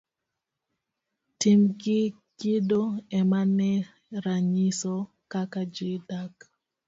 Tim gi kido emane ranyiso kaka ji dak.